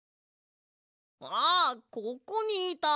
あここにいた！